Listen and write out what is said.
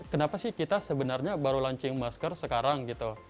kenapa sih kita sebenarnya baru launching masker sekarang gitu